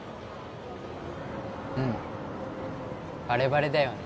うんバレバレだよね